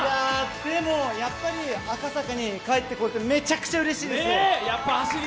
でもやっぱり赤坂に帰って来れてめちゃくちゃうれしいですよ。